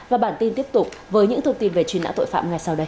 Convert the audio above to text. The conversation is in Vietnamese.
và bản tin tiếp tục với những thông tin về chuyên án tội phạm ngay sau đây